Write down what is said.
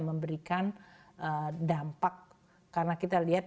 memberikan dampak karena kita lihat